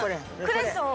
クレソン？